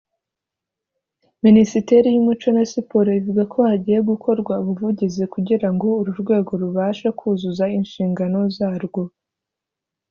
Minisiteri y’Umuco na Siporo ivuga ko hagiye gukorwa ubuvugizi kugira ngo uru rwego rubashe kuzuza inshingano zarwo